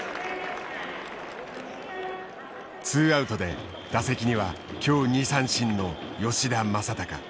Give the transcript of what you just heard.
２アウトで打席には今日２三振の吉田正尚。